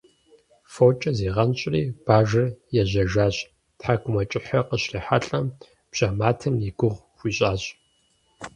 Фокӏэ зигъэнщӏри, бажэр ежьэжащ, тхьэкӏумэкӏыхьыр къыщрихьэлӏэм, бжьэматэм и гугъу хуищӏащ.